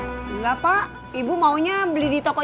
mau coba beli yang di sini bu mau coba beli yang di sini bu